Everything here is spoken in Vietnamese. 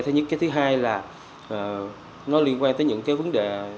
thứ nhất thứ hai là nó liên quan tới những vấn đề